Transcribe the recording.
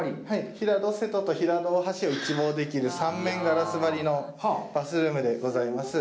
平戸瀬戸と平戸大橋を一望できる３面ガラス張りのバスルームでございます。